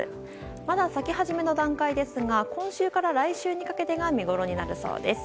まだ咲き始めの段階ですが今週から来週にかけてが見ごろになるそうです。